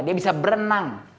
dia bisa berenang